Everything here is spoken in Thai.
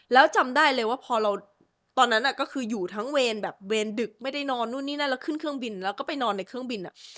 แล้วจำได้เลยว่าพอเราตอนนั้นก็คืออยู่ทั้งเวรแบบเวรดึกไม่ได้นอนนู่นนี่นั่นแล้วขึ้นเครื่องบินแล้วก็ไปนอนในเครื่องบิน